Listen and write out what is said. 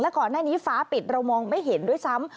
ก่อนหน้านี้ฟ้าปิดเรามองไม่เห็นด้วยซ้ำ